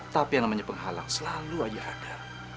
tapi yang namanya penghalang selalu aja ada